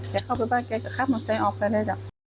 เดี๋ยวเข้าไปบ้านเกยก็ครับมันใจออกไปเลยจ้ะ